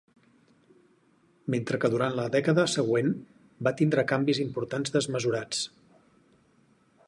Mentre que durant la dècada següent, va tindre canvis importants desmesurats.